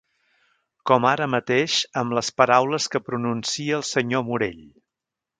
Com ara mateix amb les paraules que pronuncia el senyor Morell.